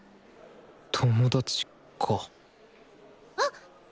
友達かあっ！